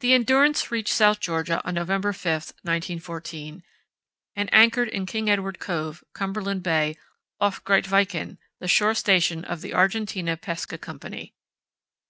The Endurance reached South Georgia on November 5, 1914, and anchored in King Edward Cove, Cumberland Bay, off Grytviken, the shore station of the Argentina Pesca Company.